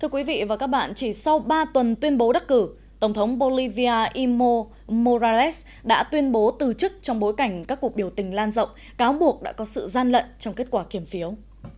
thưa quý vị và các bạn chỉ sau ba tuần tuyên bố đắc cử tổng thống bolivia imo morales đã tuyên bố từ chức trong bối cảnh các cuộc biểu tình lan rộng cáo buộc đã có sự gian lận trong kết quả kiểm phiếu